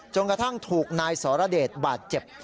กระทั่งถูกนายสรเดชบาดเจ็บ